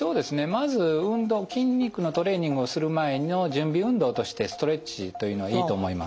まず運動筋肉のトレーニングをする前の準備運動としてストレッチというのはいいと思います。